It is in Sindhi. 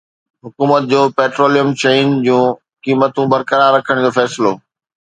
حڪومت جو پيٽروليم شين جون قيمتون برقرار رکڻ جو فيصلو